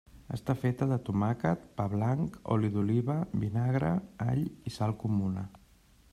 Està feta de tomàquet, pa blanc, oli d'oliva, vinagre, all i sal comuna.